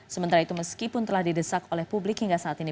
sementara itu meskipun telah didesak oleh publik hingga saat ini